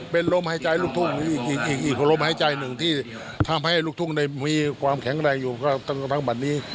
เป็นลมหายใจลูกทุ่งมีอีกลมหายใจหนึ่งที่ทำให้ลูกทุ่งได้มีความแข็งแรงอยู่ทั้งบัดนี้